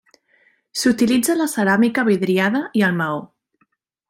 S'utilitza la ceràmica vidriada i el maó.